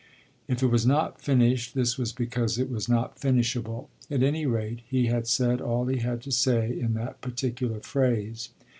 If it was not finished this was because it was not finishable; at any rate he had said all he had to say in that particular phrase.